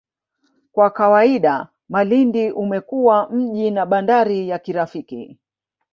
Kwa kawaida Malindi umekuwa mji na bandari ya kirafiki